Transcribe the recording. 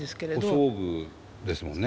補装具ですもんね。